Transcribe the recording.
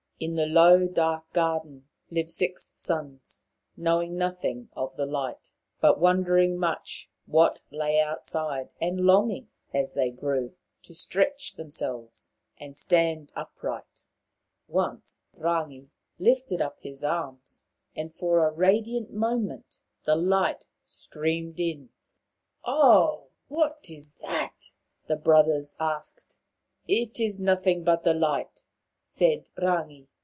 In the low dark garden lived six sons, knowing nothing of the light, but wondering much what lay outside, and longing, as they grew, to stretch themselves and stand upright. 23 24 Maoriland Fairy Tales Once Rangi lifted up his arms, and for a radiant moment the light streamed in. Oh, what is that ?" the brothers asked. It is nothing but the light," said Rangi.